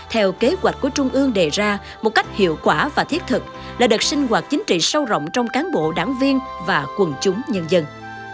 theo kế hoạch của trung ương đề ra một cách hiệu quả và thiết thực là đợt sinh hoạt chính trị sâu rộng trong cán bộ đảng viên và quần chúng nhân dân